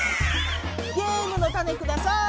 ゲームのタネください！